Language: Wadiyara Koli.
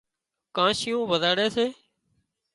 ڪانشيئون وزاڙي سي